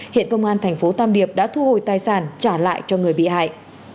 hiện công an thành phố tam điệp đã thu hồi tài sản trả lại cho người bị hại